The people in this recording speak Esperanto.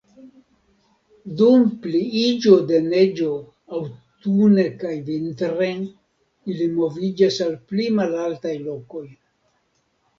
Dum pliiĝo de neĝo aŭtune kaj vintre ili moviĝas al pli malaltaj lokoj.